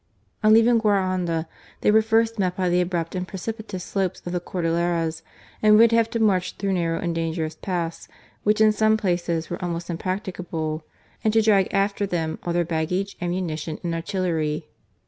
On leaving Guaranda, they were first met by the abrupt and precipitous slopes of the Cordilleras, and would have to march through narrow and dangerous paths, which in some places were almost impracticable, and to drag after them all their baggage, ammunition, and artillery.